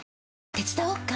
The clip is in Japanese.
手伝おっか？